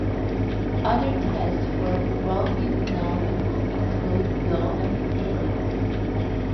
Other tests for Rohypnol include blood and hair tests.